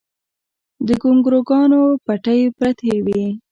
د ګونګروګانو پټۍ پرتې وې